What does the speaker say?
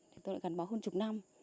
tôi đã gắn bó hơn chục năm